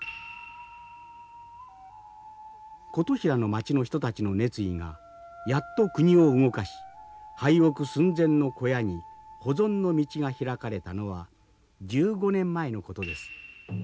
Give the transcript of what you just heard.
琴平の町の人たちの熱意がやっと国を動かし廃屋寸前の小屋に保存の道が開かれたのは１５年前のことです。